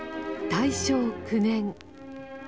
大正９年。